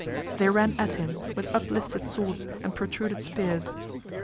they ran at him with uplifted swords and protruded spears.